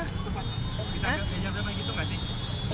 bisa kejahatan begitu gak sih